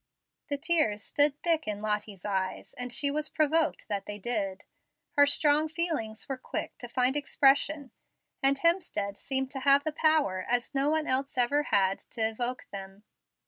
The tears stood thick in Lottie's eyes, and she was provoked that they did. Her strong feelings were quick to find expression, and Hemstead seemed to have the power, as no one else ever had, to evoke them.